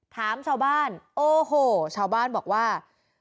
ถามชาวบ้านโอ้โหชาวบ้านบอกว่า